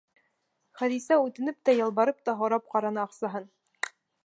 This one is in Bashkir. Хәҙисә үтенеп тә, ялбарып та һорап ҡараны аҡсаһын.